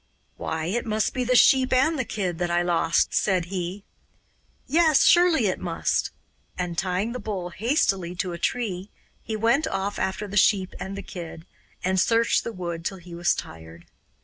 'Why, it must be the sheep and the kid that I lost,' said he. 'Yes, surely it must'; and tying the bull hastily to a tree, he went off after the sheep and the kid, and searched the wood till he was tired.